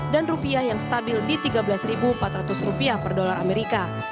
dan rupiah yang stabil di tiga belas empat ratus rupiah per dolar amerika